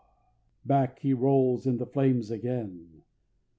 Back he rolls in the flames again.